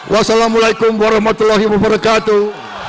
wassalamu'alaikum warahmatullahi wabarakatuh